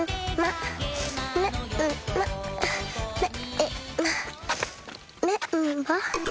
えっ？